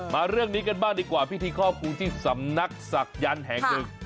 เรื่องนี้กันบ้างดีกว่าพิธีครอบครูที่สำนักศักดิ์แห่งหนึ่ง